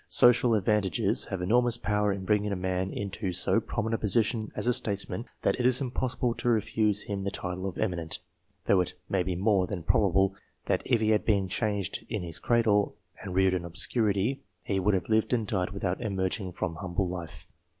Social advantages have enormous power in bringing a man into so prominent a position as a statesman, that it is impossible to refuse him the title of "eminent," though it may be more than probable that if he had been changed in his cradle, and reared in obscurity he would have lived and died without emerging from humble life.